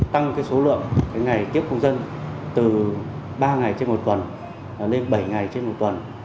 tăng số lượng ngày tiếp công dân từ ba ngày trên một tuần lên bảy ngày trên một tuần